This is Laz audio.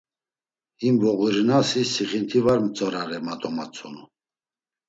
Him voğurinasi sixint̆i var mtzorare, ma domatzonu.